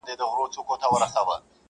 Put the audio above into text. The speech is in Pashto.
د حرم د ښایستو پر زړه پرهار وو!.